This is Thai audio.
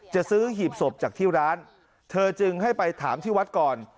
จะซื้อหีบศพจากที่ร้านเธอจึงให้ไปถามที่วัดก่อน